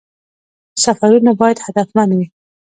سفرونه باید هدفمند وي